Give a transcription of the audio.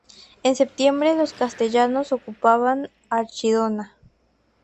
En septiembre los castellanos ocupaban Archidona.